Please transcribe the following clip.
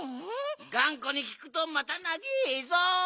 がんこにきくとまたなげえぞ。